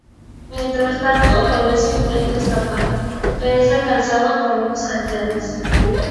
Mientras tanto Lorenzo intenta escapar, pero es alcanzado por unos aldeanos.